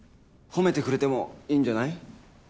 褒めてくれてもいいんじゃない？